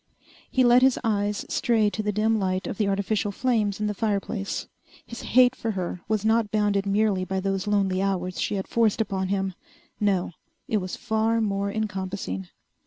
He let his eyes stray to the dim light of the artificial flames in the fireplace. His hate for her was not bounded merely by those lonely hours she had forced upon him. No, it was far more encompassing.